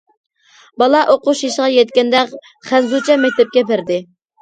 بالا ئوقۇش يېشىغا يەتكەندە، خەنزۇچە مەكتەپكە بەردى.